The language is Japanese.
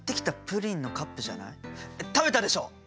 食べたでしょ！？